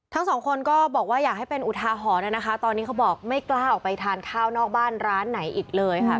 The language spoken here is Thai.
ทั้งสองคนก็บอกว่าอยากให้เป็นอุทาหรณ์นะคะตอนนี้เขาบอกไม่กล้าออกไปทานข้าวนอกบ้านร้านไหนอีกเลยค่ะ